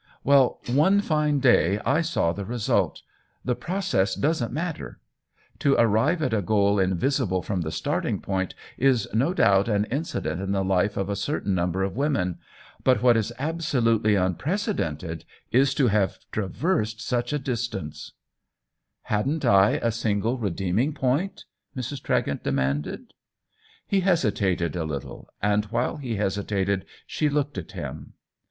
" Well, one fine day I saw the result ; the process doesn't matter. To arrive at a goal invisible from the starting point is no doubt an incident in the life of a certain number of women. But what is absolutely unprece dented is to have traversed such a distance." THE WHEEL OF TIME 77 " Hadn't I a single redeeming point ?'' Mrs. Tregent demanded. He hesitated a little, and while he hesi tated she looked at him.